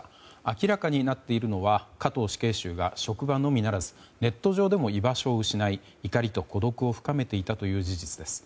明らかになっているのは加藤死刑囚が職場のみならずネット上でも居場所を失い怒りと孤独を深めていたという事実です。